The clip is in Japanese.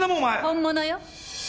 ・本物よ。